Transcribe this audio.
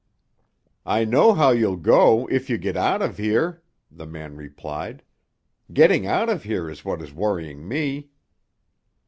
"I know how you'll go if you get out of here," the man replied. "Getting out of here is what is worrying me."